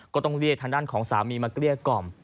ก็ต้องเรียกทางด้านของสามีมาเกลี้ยกล่อม